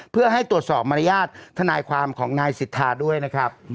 เพื่อให้ตรวจสอบมารยาทธนายความของนายสิทธาด้วยนะครับ